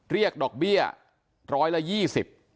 เรียกดอกเบี้ย๑๒๐บาท